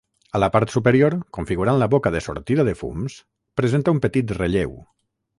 A la part superior, configurant la boca de sortida de fums, presenta un petit relleu.